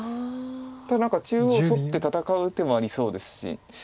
ただ何か中央ソッて戦う手もありそうですし。